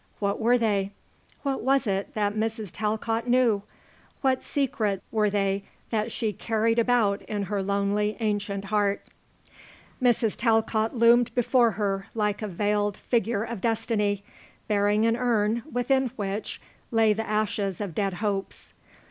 What were they? What was it that Mrs. Talcott knew? What secrets were they that she carried about in her lonely, ancient heart? Mrs. Talcott loomed before her like a veiled figure of destiny bearing an urn within which lay the ashes of dead hopes. Mrs.